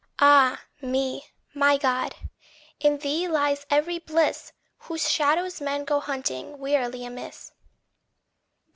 Ah, me, my God! in thee lies every bliss Whose shadow men go hunting wearily amiss.